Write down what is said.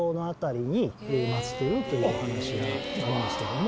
というお話があるんですけども。